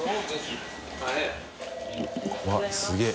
うわっすげぇ。